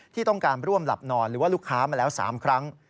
ที่ต้องการร่วมหลับนอนหรือว่าลูกค้ามาแล้ว๓ครั้ง